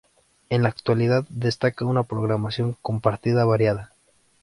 En la actualidad destaca una programación compartida variada.